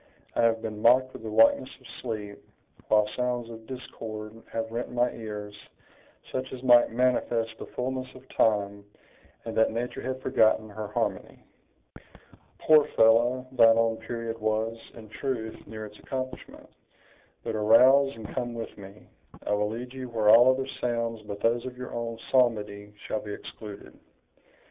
I have been mocked with the likeness of sleep, while sounds of discord have rent my ears, such as might manifest the fullness of time, and that nature had forgotten her harmony." "Poor fellow! thine own period was, in truth, near its accomplishment! But arouse, and come with me; I will lead you where all other sounds but those of your own psalmody shall be excluded."